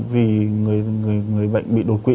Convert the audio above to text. vì người bệnh bị đột quỵ